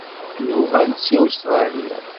Nuɣal-d seg Ustṛalya.